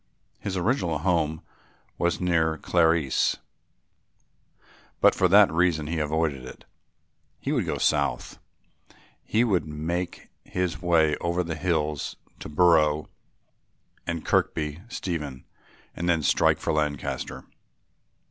His original home was near Carlisle, but for that reason he avoided it. He would go south, he would make his way over the hills to Brough and Kirkby Stephen and then strike for Lancaster.